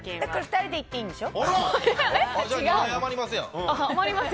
２人で行っていいんでしょ？